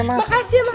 makasih ya bang hadi